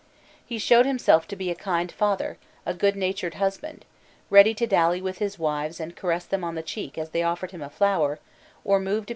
He showed himself to be a kind father, a good natured husband,* ready to dally with his wives and caress them on the cheek as they offered him a flower, or moved a piece upon the draught board.